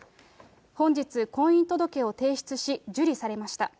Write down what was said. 本日、婚姻届を提出し、受理されました。